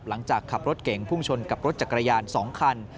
หลังจากขับรถเก่งพุ่งชนกับรถจักรยาน๒คัน